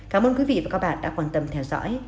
cảm ơn quý vị và các bạn đã quan tâm theo dõi